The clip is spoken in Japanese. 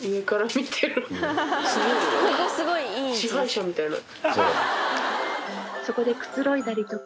すごいな。